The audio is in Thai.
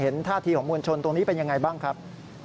เห็นท่าที่ของมวลชนตรงนี้เป็นอย่างไรบ้างครับ